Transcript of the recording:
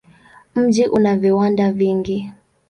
Mji una viwanda vingi.